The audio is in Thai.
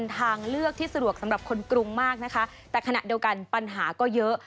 ทางเลือกที่สะดวกสำหรับคนกรุงมากนะคะแต่ขณะเดียวกันปัญหาก็เยอะ